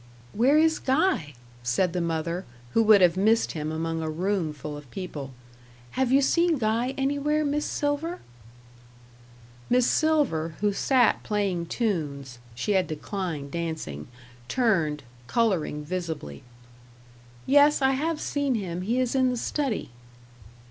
"Where is Guy?" said the mother, who would have missed him among a room full of people. "Have you seen Guy anywhere, Miss Silver?" Miss Silver, who sat playing tunes she had declined dancing turned, colouring visibly. "Yes, I have seen him; he is in the study."